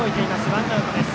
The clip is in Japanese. ワンアウトです。